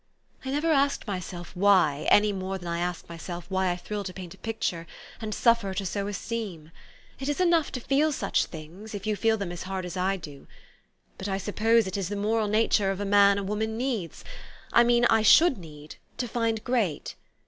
" I never asked myself why, any more than I ask myself why I thrill to paint a picture, and suffer to sew a seam. It is enough to feel such things, if you feel them as hard as I do. But I suppose it is the moral nature of a man a woman needs I mean I should need to find great.